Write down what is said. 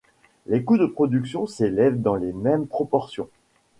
Les coûts de production s'élèvent dans les mêmes proportions.